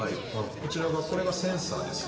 こちらがこれがセンサーです。